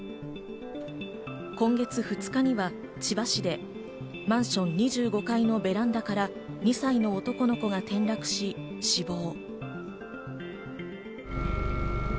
今月２日には千葉市でマンション２５階のベランダから２歳の男の子が転落し、死亡。